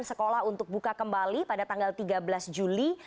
sekolah untuk buka kembali pada tanggal tiga belas juli